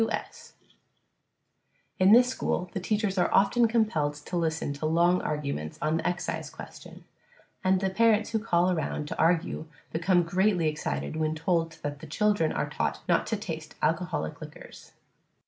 W. S. In this school the teachers are often compelled to listen to long arguments on the excise question, and the parents who call around to argue become greatly excited when told that the children are taught not to taste alcoholic liquors.